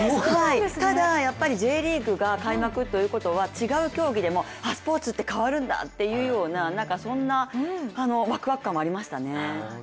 ただ、Ｊリーグが開幕ということは違う競技でもスポーツって変わるんだっていうそんなわくわく感もありました。